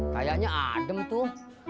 kayanya adem tuh